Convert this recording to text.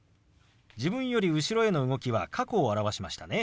自分より後ろへの動きは過去を表しましたね。